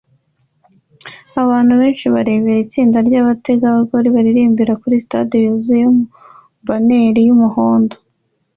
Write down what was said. Abantu benshi bareba itsinda ryabategarugori baririmbira kuri stade yuzuye banneri yumuhondo